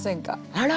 あら！